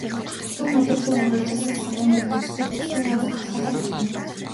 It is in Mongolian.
Бүтэн өдөржин үргэлжилсэн самуун дэгдээгчдийг засгийн газар залхаах нь зүй.